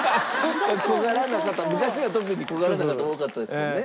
昔は特に小柄な方多かったですもんね。